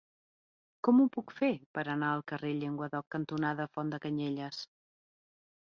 Com ho puc fer per anar al carrer Llenguadoc cantonada Font de Canyelles?